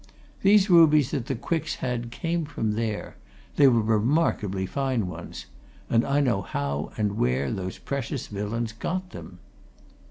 These rubies that the Quicks had came from there they were remarkably fine ones. And I know how and where those precious villains got them!"